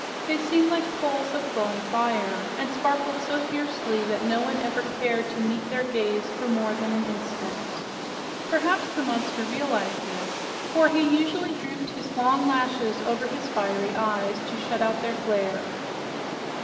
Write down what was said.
They seemed like coals of glowing fire and sparkled so fiercely that no one ever cared to meet their gaze for more than an instant. Perhaps the monster realized this, for he usually drooped his long lashes over his fiery eyes to shut out their glare.